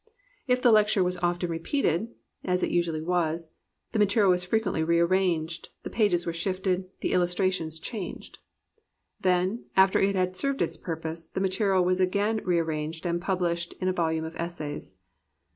If the lecture was often repeated, (as it usually was,) the material was frequently rearranged, the pages were shifted, the illustrations changed. Then, after it had served its purpose, the material was again re arranged and published in a volume of Essays.